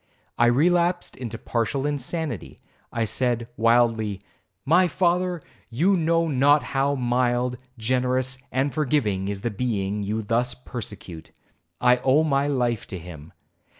I relapsed into partial insanity. I said wildly, 'My father, you know not how mild, generous, and forgiving is the being you thus persecute,—I owe my life to him.